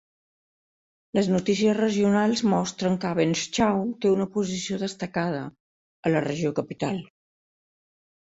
Les notícies regionals mostren que "Abendschau" té una posició destacada a la regió capital.